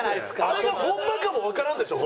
あれがホンマかもわからんでしょ？